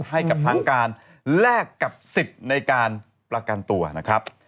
ให้กับทางการแลกกับสิทธิ์ในการประกันตัวนะครับ